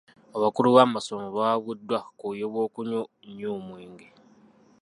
Abakulu b'amasomero bawabuddwa ku bubi bw'okunywa ennyo omwenge.